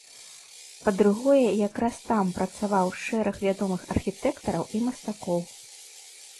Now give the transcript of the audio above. Па-другое, якраз там працаваў шэраг вядомых архітэктараў і мастакоў.